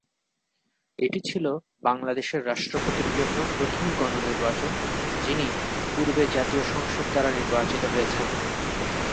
এটি ছিল বাংলাদেশের রাষ্ট্রপতির জন্য প্রথম গণ নির্বাচন যিনি পূর্বে জাতীয় সংসদ দ্বারা নির্বাচিত হয়েছেন।